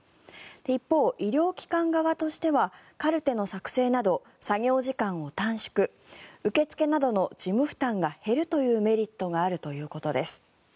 一方、医療機関側としてはカルテの作成など作業時間を短縮受付などの事務負担が減るというメリットがあるということです。